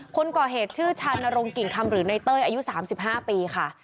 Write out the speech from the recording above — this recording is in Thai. คนก่อเหตุชื่อชานรงกิ่งคำหรือในเต้ยอายุ๓๕ปีค่ะ